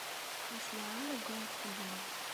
Ur cliɛeɣ ara deg ayen txeddmeḍ.